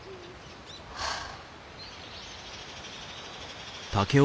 はあ。